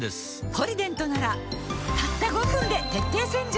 「ポリデント」ならたった５分で徹底洗浄